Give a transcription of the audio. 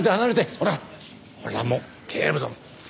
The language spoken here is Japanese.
ほらもう警部殿。